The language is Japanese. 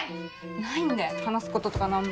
ないんで話すこととか何も。